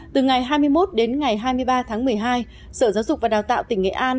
từ ngày hai mươi một đến ngày hai mươi ba tháng một mươi hai sở giáo dục và đào tạo tỉnh nghệ an